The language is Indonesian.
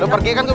lo pergi kan